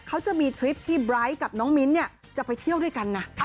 เขาจะมีทริปที่ไบร์ทกับน้องมิ้นจะไปเที่ยวด้วยกันนะ